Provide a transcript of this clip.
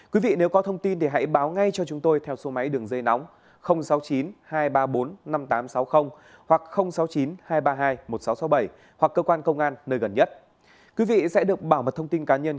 quý vị và các bạn những thông tin về truy nã tội phạm